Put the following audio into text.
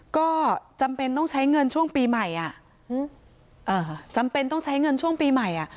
ก็จำเป็นต้องใช้เงินช่วงปีใหม่อ่ะจำเป็นต้องใช้เงินช่วงปีใหม่อ่ะ